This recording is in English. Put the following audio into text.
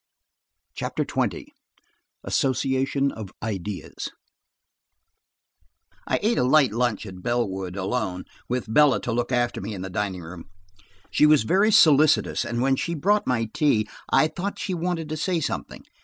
CHAPTER XX ASSOCIATION OF IDEAS I ATE a light lunch at Bellwood, alone, with Bella to look after me in the dining room. She was very solicitous, and when she had brought my tea, I thought she wanted to say something.